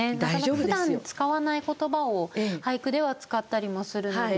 ふだん使わない言葉を俳句では使ったりもするので。